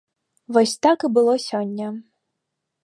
Вось так і было сёння!